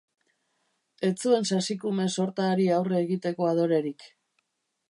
Ez zuen sasikume sorta hari aurre egiteko adorerik.